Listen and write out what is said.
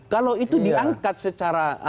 kalau itu diangkat secara